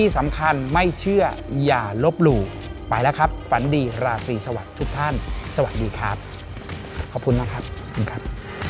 สวัสดีราฟีสวัสดีทุกท่านสวัสดีครับขอบคุณนะครับ